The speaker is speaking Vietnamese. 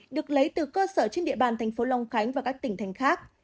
được lấy từ cơ sở trên địa bàn tp long khánh và các tỉnh thành khác